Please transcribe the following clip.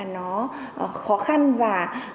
nó khó khăn và